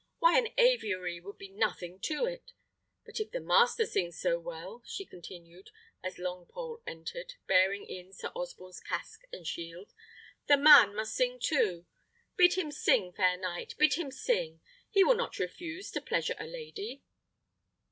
Why, an aviary would be nothing to it! But if the master sings so well," she continued, as Longpole entered, bearing in Sir Osborne's casque and shield, "the man must sing too. Bid him sing, fair knight, bid him sing; he will not refuse to pleasure a lady."